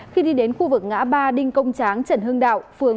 khi đi đến khu vực ngã ba đinh công tráng trần hưng đạo phường